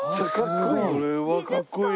これはかっこいい。